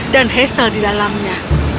dan hazel di dalamnya